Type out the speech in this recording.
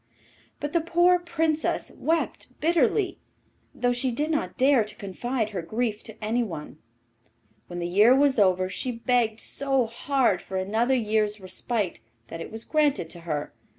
But the poor Princess wept bitterly, though she did not dare to confide her grief to anyone. When the year was over, she begged so hard for another year's respite that it was granted to her.